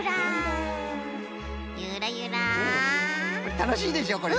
たのしいでしょこれ。